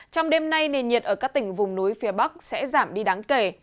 trong đêm nay nền nhiệt ở các tỉnh vùng núi phía bắc sẽ giảm đi đáng kể